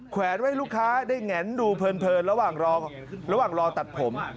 แขวนไว้ลูกค้าได้แง้นดูเพลินระหว่างรอตัดผม